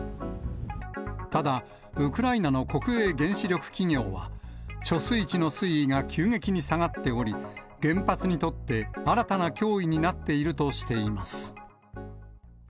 ただ、ウクライナの国営原子力企業は、貯水池の水位が急激に下がっており、原発にとって新たな脅威になっているとしています。